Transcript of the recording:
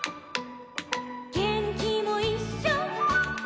「げんきもいっしょ」